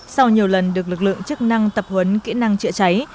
sau nhiều lần được lực lượng chức năng tập huấn kỹ năng chữa cháy